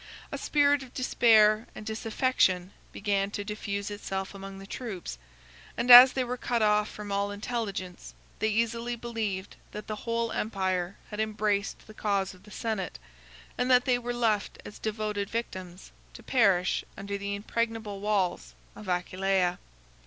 A spirit of despair and disaffection began to diffuse itself among the troops; and as they were cut off from all intelligence, they easily believed that the whole empire had embraced the cause of the senate, and that they were left as devoted victims to perish under the impregnable walls of Aquileia.